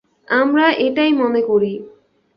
আমার এটাই মনে করি।